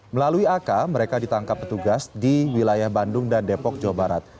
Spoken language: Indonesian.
melalui ak mereka ditangkap petugas di wilayah bandung dan depok jawa barat